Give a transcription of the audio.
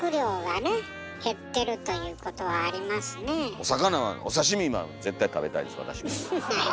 お魚はお刺身は絶対食べたいです私も。